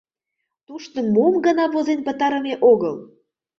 Тушто мом гына возен пытарыме огыл.